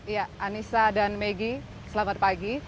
yanisa dan megi selamat pagi